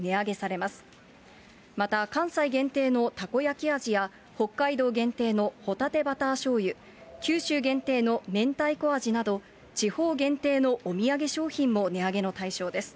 また関西限定のたこ焼き味や北海道限定のほたてバターしょうゆ、九州限定の明太子味など、地方限定のお土産商品も値上げの対象です。